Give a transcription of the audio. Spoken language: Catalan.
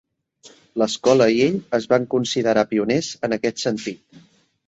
L'escola i ell es van considerar pioners en aquest sentit.